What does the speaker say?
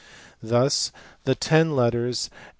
Thus the ten letters B.